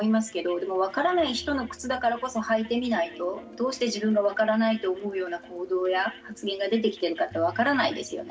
でも分からない人の靴だからこそ履いてみないとどうして自分が分からないと思うような行動や発言が出てきているかって分からないですよね。